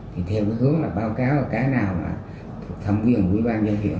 thì theo hướng là báo cáo là cái nào mà thuộc thẩm quyền của ủy ban dân hiệu